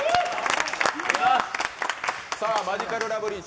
マヂカルラブリー。